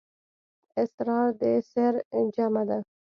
اسرار د سِر جمعه ده.